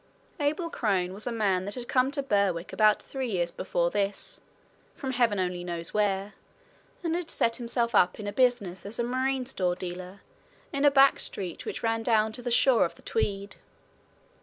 Abel Crone was a man that had come to Berwick about three years before this, from heaven only knows where, and had set himself up in business as a marine store dealer, in a back street which ran down to the shore of the Tweed.